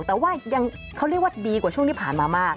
แต่ว่ายังเขาเรียกว่าดีกว่าช่วงที่ผ่านมามาก